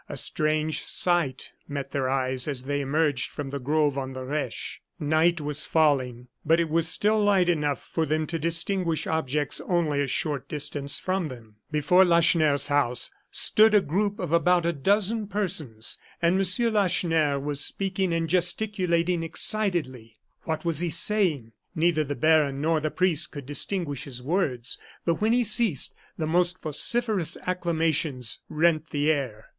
A strange sight met their eyes as they emerged from the grove on the Reche. Night was falling, but it was still light enough for them to distinguish objects only a short distance from them. Before Lacheneur's house stood a group of about a dozen persons, and M. Lacheneur was speaking and gesticulating excitedly. What was he saying? Neither the baron nor the priest could distinguish his words, but when he ceased, the most vociferous acclamations rent the air.